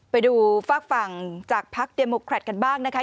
ไปดูฝากฝั่งจากพักเดโมแครตกันบ้างนะคะ